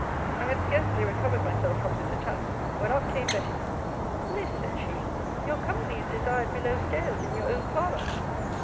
I had scarcely recovered myself from this attack, when up came Betty Miss, said she, your company is desired below stairs in your own parlour.